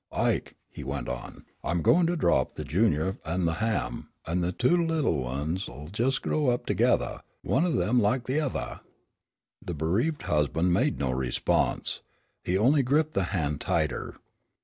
"Ike," he went on, "I'm goin' to drop the 'Junior' an' the 'ham,' an' the two little ones'll jes' grow up togethah, one o' them lak the othah." The bereaved husband made no response. He only gripped the hand tighter.